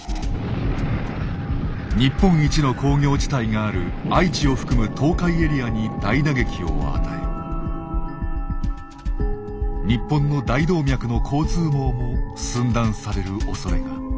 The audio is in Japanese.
日本一の工業地帯がある愛知を含む東海エリアに大打撃を与え日本の大動脈の交通網も寸断されるおそれが。